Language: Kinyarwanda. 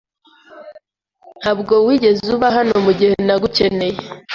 Ntabwo wigeze uba hano mugihe nagukeneye.